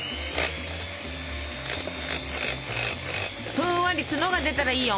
ふんわり角が出たらいいよ。